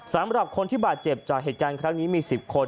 สำหรับคนที่บาดเจ็บจากเหตุการณ์ครั้งนี้มี๑๐คน